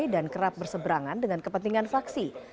dan kerap berseberangan dengan kepentingan fraksi